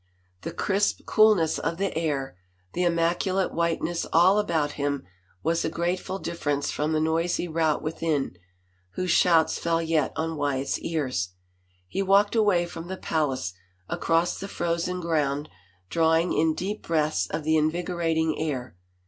The crisp coolness of the air, the immaculate whiteness all about him, was a grateful difference from the noisy rout within, whose shouts fell yet on Wyatt's ears. He walked away from the palace across the frozen ground, drawing in deep breaths of the invigorating air.